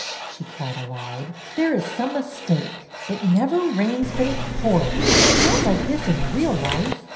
she cried aloud. " There is some mistake. It never rains but it pours, but not like this in real life.